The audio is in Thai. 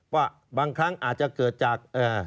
ว่าบางครั้งอาจจะเกิดจาก